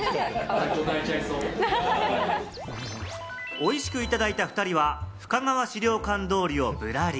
おいしくいただいた２人は、深川資料館通りぶらり。